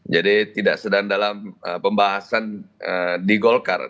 jadi tidak sedang dalam pembahasan di golkar